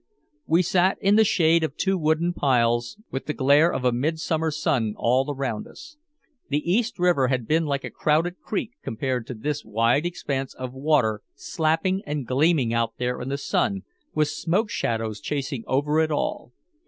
We sat in the shade of two wooden piles with the glare of a midsummer sun all around us. The East River had been like a crowded creek compared to this wide expanse of water slapping and gleaming out there in the sun with smoke shadows chasing over it all.